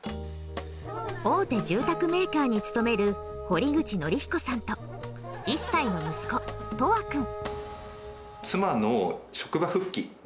大手住宅メーカーに勤める堀口則彦さんと１歳の息子・詠羽君。